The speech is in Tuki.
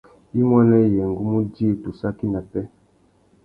Imuênê yê ngu mú djï tu saki nà pêh.